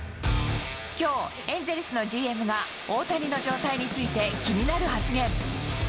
きょう、エンゼルスのＧＭが、大谷の状態について、気になる発言。